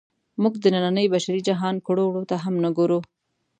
موږ د ننني بشري جهان کړو وړو ته هم نه ګورو.